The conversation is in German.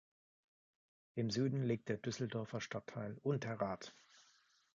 Im Süden liegt der Düsseldorfer Stadtteil Unterrath.